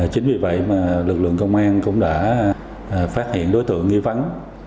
chính vì vậy mà lực lượng công an cũng đã phát hiện đối tượng nghi vắng